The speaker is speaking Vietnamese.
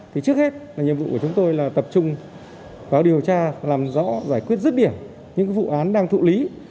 thì trước hết là nhiệm vụ của chúng tôi là tập trung vào điều tra làm rõ giải quyết rứt điểm những vụ án đang thụ lý